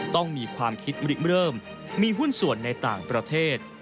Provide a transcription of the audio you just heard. ต้องมีความคิดเริ่มมีหุ้นส่วนในต่างประเทศ